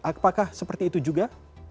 apakah seperti itu juga